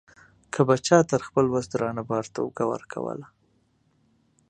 که به چا تر خپل وس درانه بار ته اوږه ورکوله.